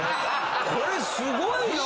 これすごいな。